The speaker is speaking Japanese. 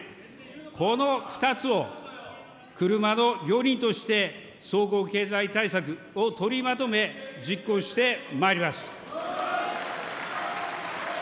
この２つを車の両輪として、総合経済対策を取りまとめ、実行してまいります。